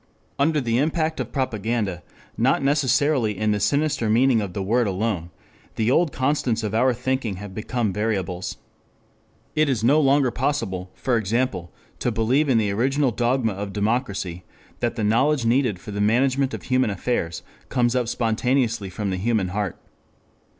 Under the impact of propaganda, not necessarily in the sinister meaning of the word alone, the old constants of our thinking have become variables. It is no longer possible, for example, to believe in the original dogma of democracy; that the knowledge needed for the management of human affairs comes up spontaneously from the human heart.